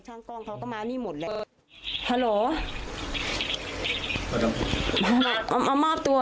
บอกแล้วบอกแล้วบอกแล้ว